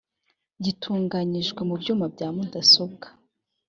gitunganyirijwe mu byuma bya mudasobwa